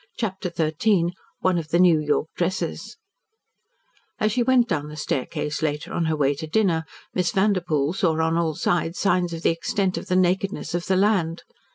CHAPTER XIII ONE OF THE NEW YORK DRESSES As she went down the staircase later, on her way to dinner, Miss Vanderpoel saw on all sides signs of the extent of the nakedness of the land.